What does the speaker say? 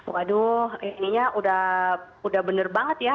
waduh ininya udah bener banget ya